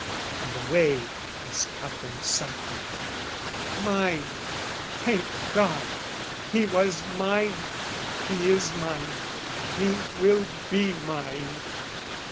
And the way was Caponsacchi "mine," thank God! He was mine, he is mine, he will be mine.